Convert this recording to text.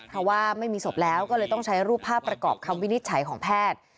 เพราะว่าไม่มีศพแล้วก็เลยต้องใช้รูปภาพประกอบคำวินิจฉัยของแพทย์